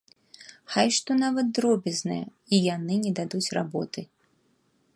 Хай што нават дробязнае, і яны не дадуць работы.